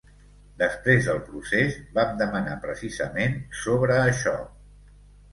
Després del procés, vam demanar precisament sobre això.